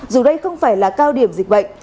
dù đây không phải là cao điểm dịch bệnh